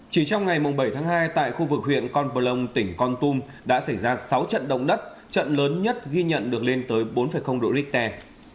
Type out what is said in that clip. chỉ trong ngày bảy tháng hai tại khu vực huyện con plong tỉnh con tum đã xảy ra sáu trận động đất trận lớn nhất ghi nhận được lên tới bốn độ richter